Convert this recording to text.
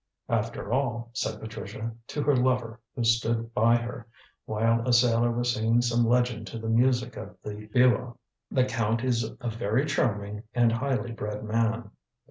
"After all," said Patricia, to her lover who stood by her, while a sailor was singing some legend to the music of the biwa, "the Count is a very charming and highly bred man."